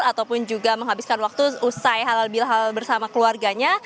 ataupun juga menghabiskan waktu usai halal bihalal bersama keluarganya